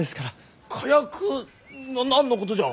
な何のことじゃ？